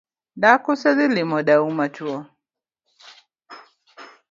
Dak usedhi limo dau matwo?